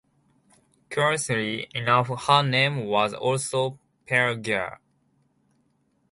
Curiously enough, her name was also Pelageya.